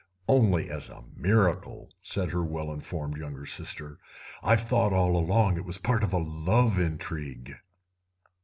"Only as a miracle," said her well informed younger sister; "I've thought all along it was part of a love intrigue."